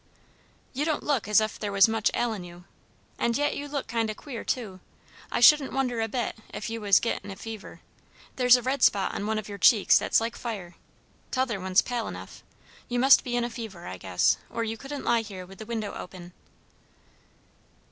"You don't look as ef there was much ailin' you; and yet you look kind o' queer, too. I shouldn't wonder a bit ef you was a gettin' a fever. There's a red spot on one of your cheeks that's like fire. T'other one's pale enough. You must be in a fever, I guess, or you couldn't lie here with the window open."